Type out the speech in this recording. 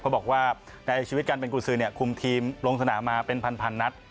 บอกว่าในชีวิตการเป็นกุญสือเนี่ยคุมทีมลงสนามมาเป็นพันนัด